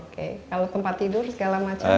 kalau tempat tidur segala macam